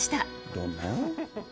どんな？